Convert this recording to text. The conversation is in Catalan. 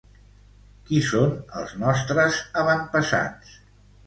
Qui són els nostres avantpassats?